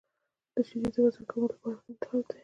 • شیدې د وزن کمولو لپاره ښه انتخاب دي.